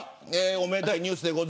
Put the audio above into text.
おめでたいニュースです。